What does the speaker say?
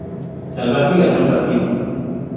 Salvaje ganó el partido.